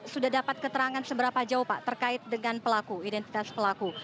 sudah dapat keterangan seberapa jauh pak terkait dengan pelaku identitas pelaku